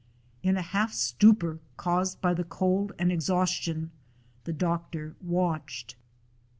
In a half stupor caused by the cold and exhaustion, the doctor watched.